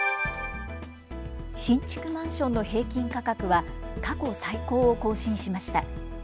新築マンションの平均価格は過去最高を更新しました。